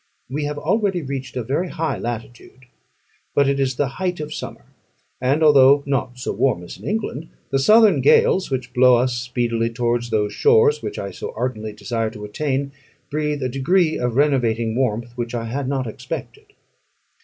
We have already reached a very high latitude; but it is the height of summer, and although not so warm as in England, the southern gales, which blow us speedily towards those shores which I so ardently desire to attain, breathe a degree of renovating warmth which I had not expected.